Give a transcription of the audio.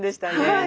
はい。